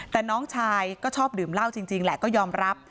แต่น้องชายก็ชอบดื่มเหล้าจริงแหละก็ยอมรับ